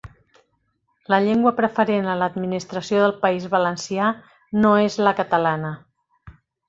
La llengua preferent a l'administració del País Valencià no és la catalana